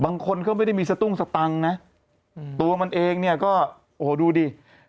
บางคนก็ไม่ได้มีสตุ้งสตังค์นะตัวมันเองเนี่ยก็โอ้โหดูดิ